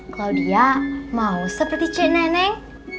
klaudia mau seperti c neneng